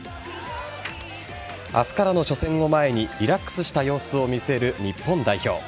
明日からの初戦を前にリラックスした様子を見せる日本代表。